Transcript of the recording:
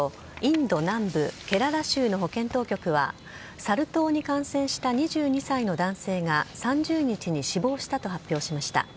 現地メディアによりますと、インド南部ケララ州の保健当局は、サル痘に感染した２２歳の男性が３０日に死亡したと発表しました。